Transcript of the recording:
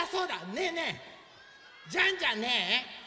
ねえねえジャンジャンね